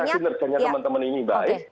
tapi saya rasa nersenya teman teman ini baik